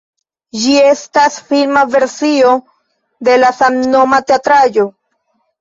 Ĝi estas filma versio de la samnoma teatraĵo.